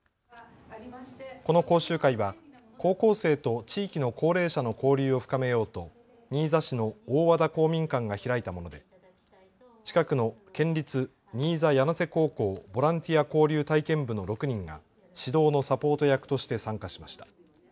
この講習会は高校生と地域の高齢者の交流を深めようと新座市の大和田公民館が開いたもので近くの県立新座柳瀬高校ボランティア交流体験部の６人が指導のサポート役として参加しました。